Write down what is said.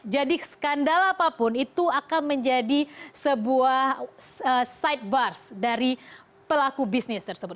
jadi skandal apapun itu akan menjadi sebuah sidebar dari pelaku bisnis tersebut